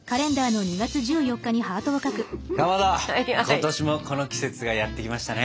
今年もこの季節がやって来ましたね。